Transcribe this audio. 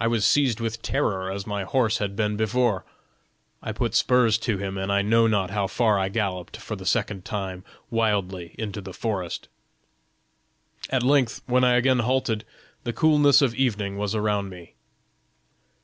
I was seized with terror as my horse had been before: I put spurs to him, and I know not how far I galloped for the second time wildly into the forest." "At length, when I again halted, the coolness of evening was around me.